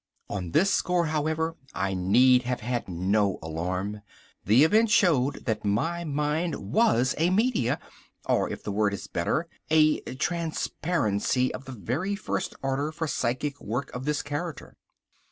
On this score, however, I need have had no alarm. The event showed that my mind was a media, or if the word is better, a transparency, of the very first order for psychic work of this character.